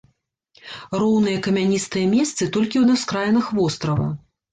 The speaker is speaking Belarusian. Роўныя камяністыя месцы толькі на ўскраінах вострава.